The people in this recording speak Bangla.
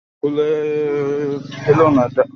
খুলে ফেলো এটা।